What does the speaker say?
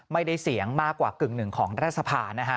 ไม่ได้เสียงมากกว่ากึ่งหนึ่งของรัฐสภานะฮะ